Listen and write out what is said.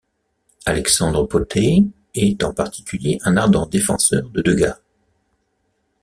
Alexandre Pothey est en particulier un ardent défenseur de Degas.